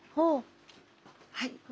はい。